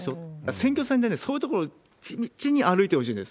選挙戦でそういうところを地道に歩いてほしいです。